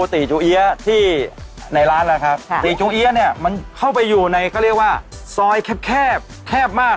ตีจูเอี๊ยะที่ในร้านแล้วครับค่ะตีจูเอี๊ยะเนี่ยมันเข้าไปอยู่ในเขาเรียกว่าซอยแคบแคบแคบมาก